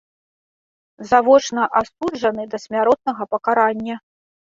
Завочна асуджаны да смяротнага пакарання.